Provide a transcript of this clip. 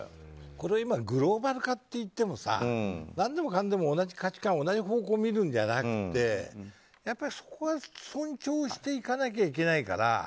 グローバル化といっても何でもかんでも同じ価値観、同じ方向を見るんじゃなくてやっぱり、そこは尊重していかなきゃいけないから。